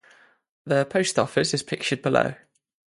The post office is pictured below.